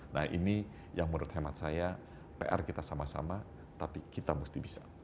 nah ini yang menurut hemat saya pr kita sama sama tapi kita mesti bisa